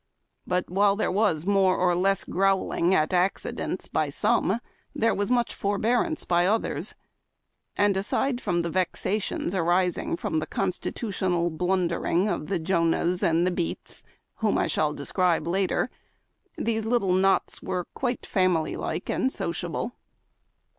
But while there was more or less growling at accidents by some, there was much forbearance by others, and, aside from the vexations arising from the constitutional blundering of the Jonahs and the Beats, whom I shall describe later, these little knots were quite family like and sociable.